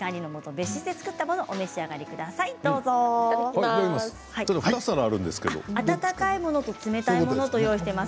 別室で作ったものをお召し上がりいただきます。